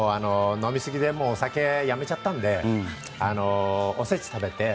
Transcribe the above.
お酒やめちゃったんでおせち食べて。